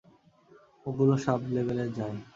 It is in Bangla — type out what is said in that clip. ওগুলো সাব-লেভেলে যায়।